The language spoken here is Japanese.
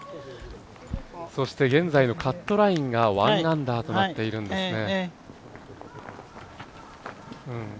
そして現在のカットラインが１アンダーとなってるんですね。